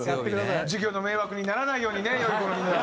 授業の迷惑にならないようにね良い子のみんなは。